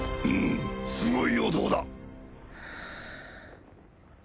うむすごい男だ。